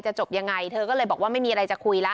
จบยังไงเธอก็เลยบอกว่าไม่มีอะไรจะคุยแล้ว